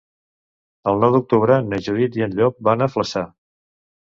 El nou d'octubre na Judit i en Llop van a Flaçà.